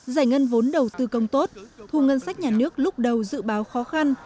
giải ngân vốn đầu tư công tốt thu ngân sách nhà nước lúc đầu dự báo khó khăn